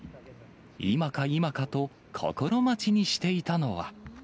今か今かと心待ちにしていたのは。